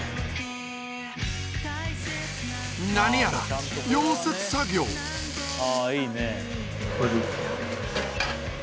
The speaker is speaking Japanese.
何やら溶接作業いいね。